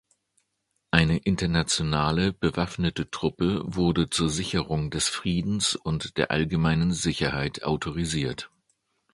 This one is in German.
Eine internationale bewaffnete Truppe wurde zur Sicherung des Friedens und der allgemeinen Sicherheit autorisiert.